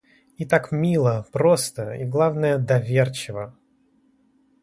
И как мило, просто и, главное, доверчиво!